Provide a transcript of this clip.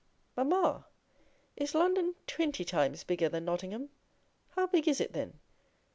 'Mamma! is London twenty times bigger than Nottingham? How big is it, then?